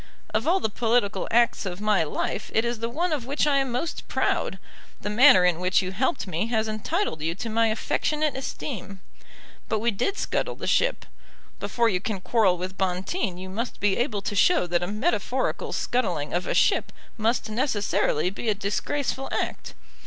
Of all the political acts of my life it is the one of which I am most proud. The manner in which you helped me has entitled you to my affectionate esteem. But we did scuttle the ship. Before you can quarrel with Bonteen you must be able to show that a metaphorical scuttling of a ship must necessarily be a disgraceful act.